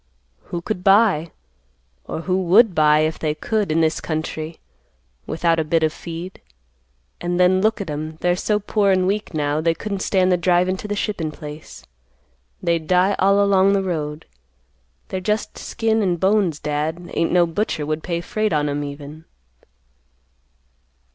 "Who could buy? or who would buy, if they could, in this country, without a bit of feed? And then look at 'em, they're so poor an' weak, now, they couldn't stand the drivin' to the shippin' place. They'd die all along the road. They're just skin an' bones, Dad; ain't no butcher would pay freight on 'em, even."